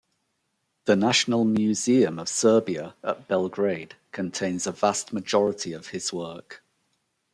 The National Museum of Serbia at Belgrade contains a vast majority of his work.